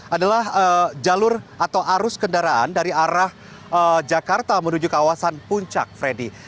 adalah jalur atau arus kendaraan dari arah jakarta menuju kawasan puncak freddy